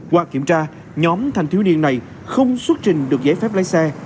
qua kiểm tra nhóm thanh thiếu niên này không xuất trình được giải phép lấy xe